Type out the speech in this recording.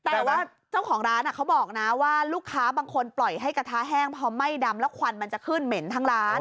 แต่ว่าเจ้าของร้านเขาบอกนะว่าลูกค้าบางคนปล่อยให้กระทะแห้งพอไหม้ดำแล้วควันมันจะขึ้นเหม็นทั้งร้าน